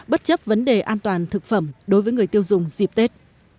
bất chấp vấn đề an toàn thực phẩm đối với người tiêu dùng dịp tết